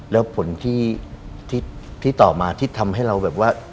แล้วผลที่ต่อมาที่ทำให้เราแบบว่า